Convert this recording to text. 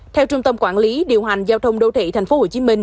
theo trung tâm quản lý điều hành giao thông đô thị tp hcm